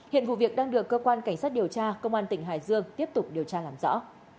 hiện vụ việc đang được cơ quan cảnh sát điều tra công an tỉnh hải dương tiếp tục điều tra làm rõ